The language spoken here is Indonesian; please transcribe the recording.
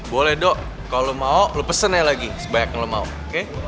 boleh do kalau lo mau lo pesen aja lagi sebanyak lo mau oke